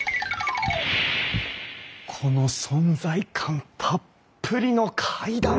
この存在感たっぷりの階段！